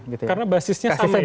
karena basisnya sama ya